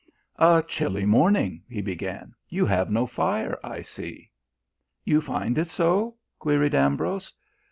"A chilly morning," he began. "You have no fire, I see." "You find it so?" queried Ambrose.